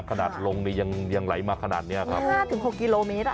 ขนาดโลงนี้ยังยังไหลมาขนาดเนี้ยครับห้าถึงหกกิโลเมตรอ่ะ